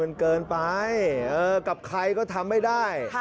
มันเกินไปกับใครก็ทำไม่ได้